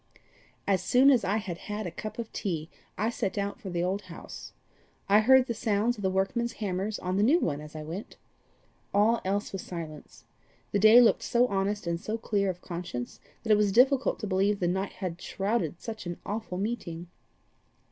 "As soon as I had had a cup of tea, I set out for the old house. I heard the sounds of the workmen's hammers on the new one as I went. All else was silence. The day looked so honest and so clear of conscience that it was difficult to believe the night had shrouded such an awful meeting.